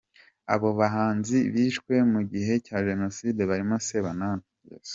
Abo bahanzi bishwe mu gihe cya Jenoside barimo Sebanani.